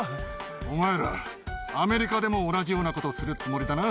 お前ら、アメリカでも同じようなことするつもりだな？